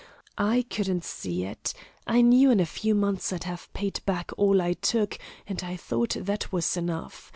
I couldn't see it. I knew in a few months I'd have paid back all I took, and I thought that was enough.